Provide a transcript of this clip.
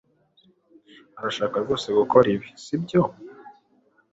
Urashaka rwose gukora ibi, sibyo?